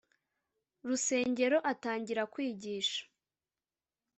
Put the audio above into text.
rusengero atangira kwigisha